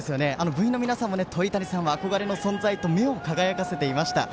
部員の皆さんも鳥谷さんは憧れの存在と目を輝かせていました。